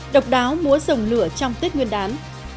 độc đáo múa rồng lửa trong tết nguyên đán